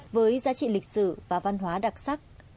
với giá trị lịch sử và văn hóa đặc sắc